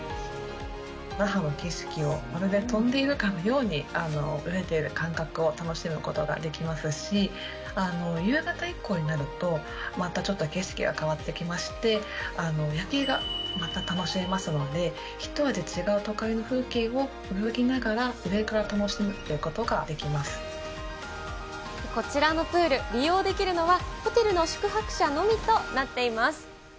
那覇の景色をまるで飛んでいるかのように、泳いでいる感覚を楽しむことができますし、夕方以降になると、またちょっと景色が変わってきまして、夜景がまた楽しめますので、ひと味違う都会の風景を、泳ぎながら、上から楽しむということがこちらのプール、利用できるのはホテルの宿泊者のみとなっています。